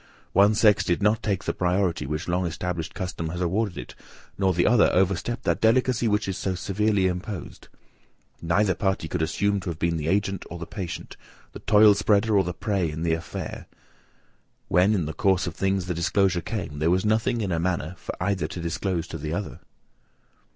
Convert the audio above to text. One sex did not take the priority which long established custom has awarded it, nor the other overstep that delicacy which is so severely imposed. Neither party could assume to have been the agent or the patient, the toil spreader or the prey in the affair. When in the course of things the disclosure came, there was nothing in a manner for either to disclose to the other."